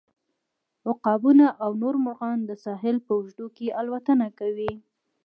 عقابونه او نور مرغان د ساحل په اوږدو کې الوتنه کوي